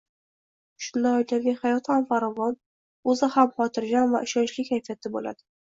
Shunda oilaviy hayot ham farovon, o‘zi ham xotirjam va ishonchli kayfiyatda bo‘ladi.